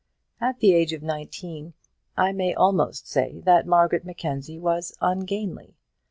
At the age of nineteen, I may almost say that Margaret Mackenzie was ungainly.